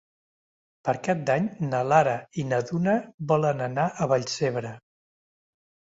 Per Cap d'Any na Lara i na Duna volen anar a Vallcebre.